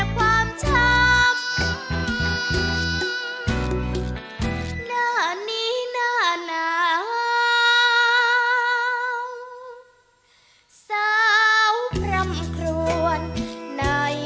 โปรดติดตามตอนต่อไป